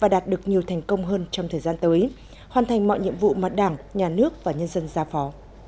đạt được nhiều thành công hơn trong thời gian tới hoàn thành mọi nhiệm vụ mà đảng nhà nước và nhân dân giao phó